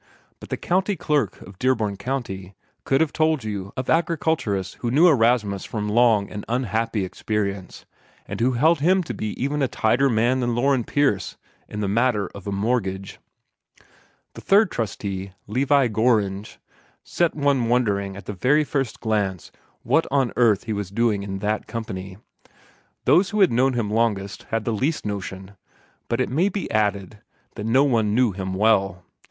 But the County Clerk of Dearborn County could have told you of agriculturists who knew Erastus from long and unhappy experience, and who held him to be even a tighter man than Loren Pierce in the matter of a mortgage. The third trustee, Levi Gorringe, set one wondering at the very first glance what on earth he was doing in that company. Those who had known him longest had the least notion; but it may be added that no one knew him well.